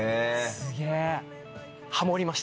・すげぇ・え。